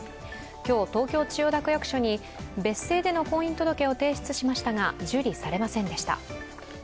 今日、東京・千代田区役所に別姓での婚姻届を提出しましたが受理されませんでした。